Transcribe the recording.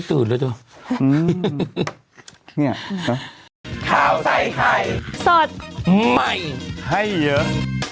คุณสุดยอดโทรมาจริงคุณสุดยอดโทรมาจริงค